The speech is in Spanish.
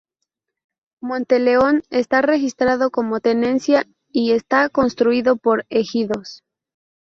Monteleón está registrado como tenencia y está constituido por ejidos.